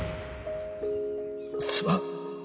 すまん！